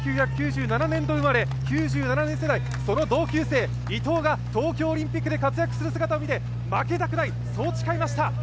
１９９７年度生まれ、９７年世代、その同級生、伊藤が東京オリンピックで活躍する姿を見て、負けたくない、そう誓いました。